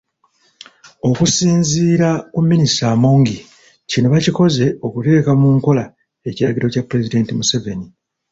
Okusinziira ku Minisita Amongi kino bakikoze okuteeka mu nkola ekiragiro kya Pulezidenti Museveni